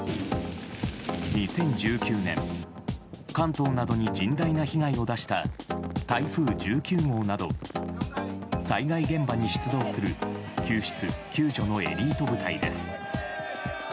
２０１９年関東などに甚大な被害を出した台風１９号など災害現場に出動する救出・救助のエリート部隊です。